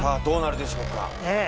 どうなるでしょうか？